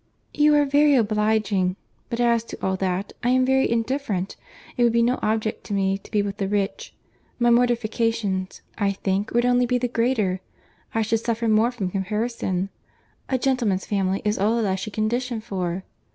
"You are very obliging; but as to all that, I am very indifferent; it would be no object to me to be with the rich; my mortifications, I think, would only be the greater; I should suffer more from comparison. A gentleman's family is all that I should condition for."